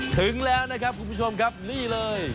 ถึงแล้วนะครับคุณผู้ชมครับนี่เลย